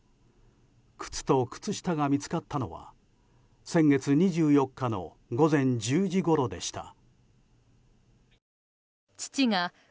靴と靴下が見つかったのは先月２４日の午前１０時ごろでした。